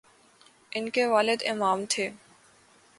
ان کے والد امام تھے۔